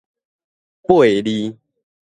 掰離